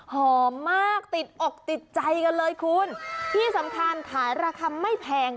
หอมมากติดอกติดใจกันเลยคุณที่สำคัญขายราคาไม่แพง